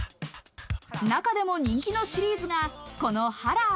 中でも人気のシリーズが、このハラー。